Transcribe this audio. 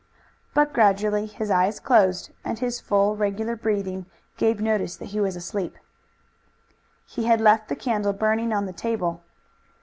But gradually his eyes closed, and his full, regular breathing gave notice that he was asleep. He had left the candle burning on the table.